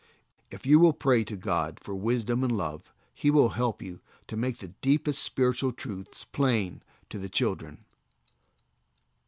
If you will pray to God for wisdom and love He will help you to make the deepest spiritual truths plain to the children.